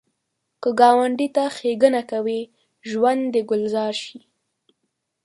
که ګاونډي ته ښیګڼه کوې، ژوند دې ګلزار شي